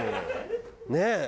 ねえ？